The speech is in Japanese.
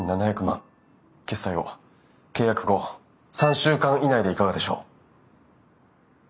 決済を契約後３週間以内でいかがでしょう？